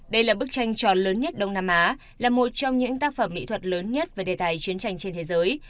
đây là bức tranh tròn lớn nhất đông nam á là một trong những tác phẩm mỹ thuật lớn nhất về đề tài chiến tranh trên thế giới